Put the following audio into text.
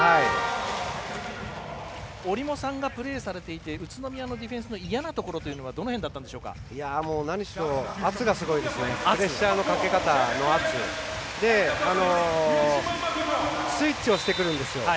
折茂さんがプレーされていて宇都宮のディフェンスの嫌なところというのはなにしろプレッシャーのかけ方の圧がすごいですよね。